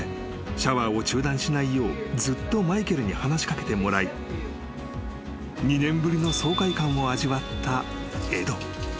シャワーを中断しないようずっとマイケルに話し掛けてもらい２年ぶりの爽快感を味わったエド］